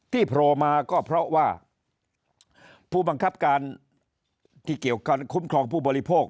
โผล่มาก็เพราะว่าผู้บังคับการที่เกี่ยวการคุ้มครองผู้บริโภค